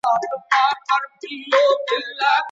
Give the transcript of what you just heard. د سمنګان بادام واړه نه دي.